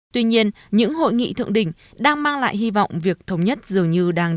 tuy nhiên những hội nghị thượng đỉnh đang mang lại hy vọng việc thống nhất dường như đang đến